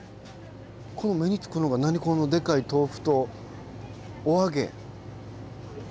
この目につくのが何このでかい豆腐とお揚げ。